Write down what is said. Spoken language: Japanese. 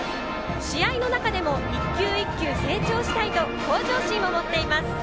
試合の中でも１球１球成長したいと向上心を持っています。